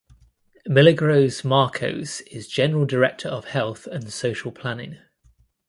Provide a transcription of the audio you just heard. Milagros Marcos is general director of health and social planning.